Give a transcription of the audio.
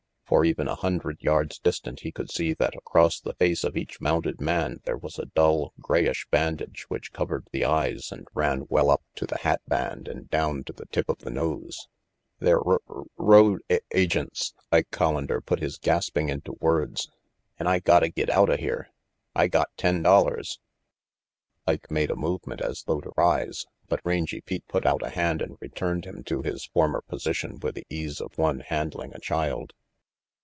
For even a hundred yards distant he could see that across the face of each mounted man there was a dull, grayish bandage which covered the eyes and ran well up to the hat band and down to the tip of the nose. "They're r r road a agents," Ike Collander put his gasping into words. "An' I gotta get outa here. I got ten dollars " Ike made a movement as though to rise, but Rangy Pete put out a hand and returned him to his RANGY PETE 15 former position with the ease of one handling a child.